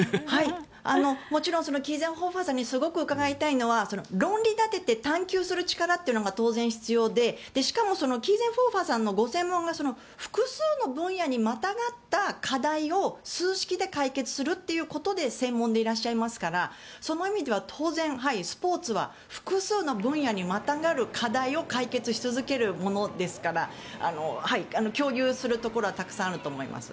もちろんキーゼンホーファーさんに伺いたいのは論理立てて探究する力が必要でしかもキーゼンホーファーさんのご専門が複数の分野にまたがった課題を数式で解決することの専門でいらっしゃいますからその点では当然スポーツは複数の分野にまたがる課題を解決し続けるものですから共有するところはたくさんあると思います。